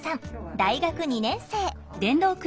大学２年生。